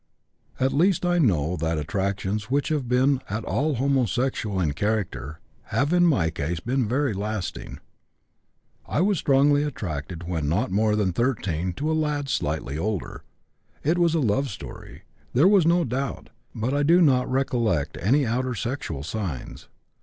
At least I know that attractions which have been at all homosexual in character have in my case been very lasting. "I was strongly attracted when not more than 13 to a lad slightly older. It was a love story, there is no doubt, but I do not recollect any outer sexual signs.